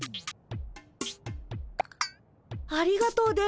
ありがとう電ボ。